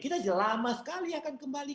kita lama sekali akan kembali